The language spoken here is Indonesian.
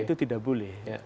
itu tidak boleh